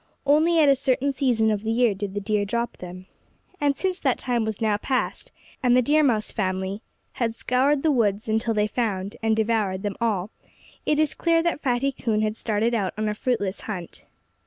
Only at a certain season of the year did the deer drop them. And since that time was now past, and the Deer Mouse family had scoured the woods until they found and devoured them all, it is clear that Fatty Coon had started out on a fruitless hunt.